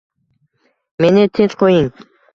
“Meni tinch qo‘ying...”